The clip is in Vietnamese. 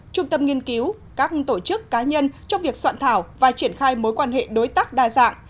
trung tâm nghiên cứu các tổ chức cá nhân trong việc soạn thảo và triển khai mối quan hệ đối tác đa dạng